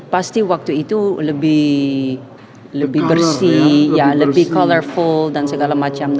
pasti waktu itu lebih bersih lebih colorful dan segala macam